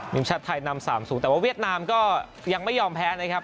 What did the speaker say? ทีมชาติไทยนำ๓๐แต่ว่าเวียดนามก็ยังไม่ยอมแพ้นะครับ